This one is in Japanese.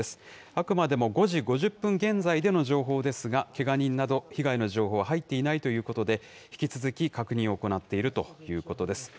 あくまでも５時５０分現在での情報ですが、けが人など、被害の情報は入っていないということで、引き続き確認を行っているということです。